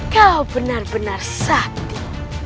kau benar benar sakti